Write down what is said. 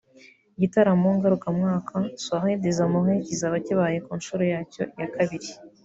Igitaramo ngarukamwaka “Soirée des amoureux” kizaba kibaye ku nshuro yacyo ya kabiri